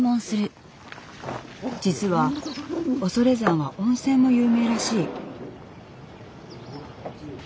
実は恐山は温泉も有名らしい。